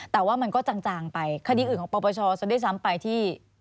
แต่ว่ามันก็จางไปคดีอื่นของปปชซะด้วยซ้ำไปที่